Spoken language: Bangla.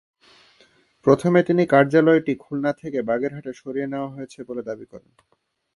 প্রথমে তিনি কার্যালয়টি খুলনা থেকে বাগেরহাটে সরিয়ে নেওয়া হয়েছে বলে দাবি করেন।